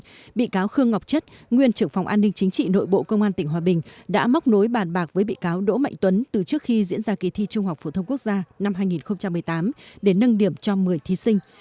trong đó bị cáo khương ngọc chất nguyên trưởng phòng an ninh chính trị nội bộ công an tỉnh hòa bình đã móc nối bàn bạc với bị cáo đỗ mạnh tuấn từ trước khi diễn ra kỳ thi trung học phổ thông quốc gia năm hai nghìn một mươi tám để nâng điểm cho một mươi thí sinh